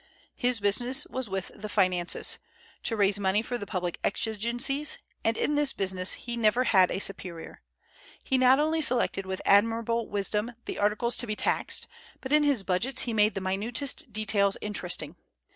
His business was with the finances, to raise money for the public exigencies; and in this business he never had a superior. He not only selected with admirable wisdom the articles to be taxed, but in his budgets he made the minutest details interesting.